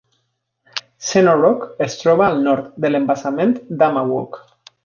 Shenorock es troba al nord de l'embassament d'Amawalk.